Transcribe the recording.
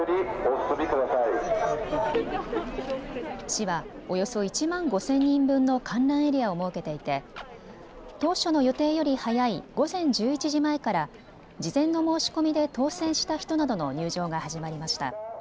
市はおよそ１万５０００人分の観覧エリアを設けていて当初の予定より早い午前１１時前から事前の申し込みで当選した人などの入場が始まりました。